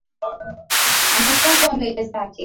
Amesongwa nywele zake